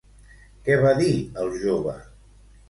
Què va dir el jove?